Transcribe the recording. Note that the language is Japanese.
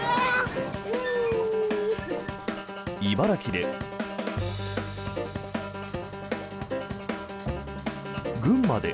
茨城で。